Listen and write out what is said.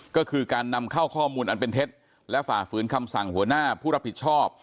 ก็คือการนำเข้าข้อมูลอันเป็นเท็จและฝ่าฝืนคำสั่งหัวหน้าผู้รับผิดชอบ